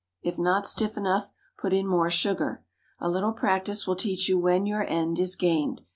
If not stiff enough, put in more sugar. A little practice will teach you when your end is gained.